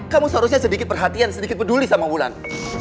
kamu seharusnya sedikit perhatian sedikit peduli sama wulan